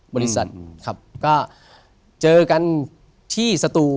มาจากจังหวัด